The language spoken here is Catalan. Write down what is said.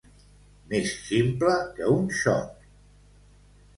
Més ximple que un xot.